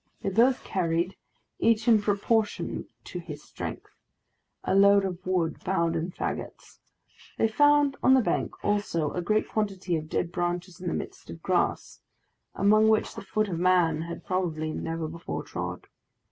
They both carried, each in proportion to his strength, a load of wood bound in fagots. They found on the bank also a great quantity of dead branches in the midst of grass, among which the foot of man had probably never before trod.